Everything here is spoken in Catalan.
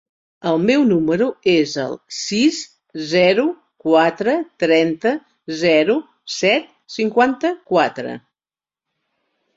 El meu número es el sis, zero, quatre, trenta, zero, set, cinquanta-quatre.